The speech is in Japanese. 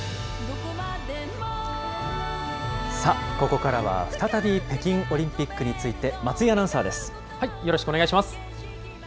さあ、ここからは再び北京オリンピックについて、よろしくお願いします。